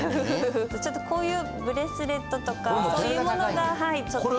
ちょっとこういうブレスレットとかこういうものがちょっと。